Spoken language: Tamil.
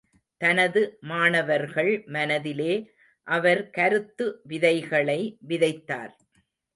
தனது மாணவர்கள் மனதிலே அவர் கருத்து விதைகளை விதைத்தார்.